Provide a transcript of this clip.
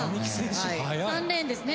３レーンですね。